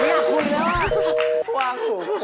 แหยกคุณแล้ว